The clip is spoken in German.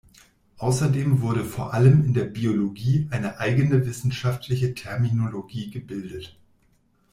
Außerdem wurde vor allem in der Biologie eine eigene wissenschaftliche Terminologie gebildet.